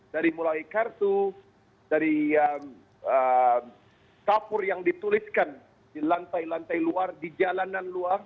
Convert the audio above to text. dari mulai kartu dari kapur yang dituliskan di lantai lantai luar di jalanan luar